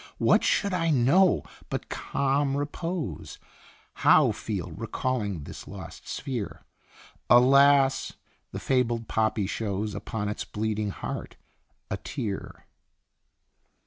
What should I know but calm repose ? How feel, recalling this lost sphere? Alas ! the fabled poppy shows Upon its bleeding heart a tear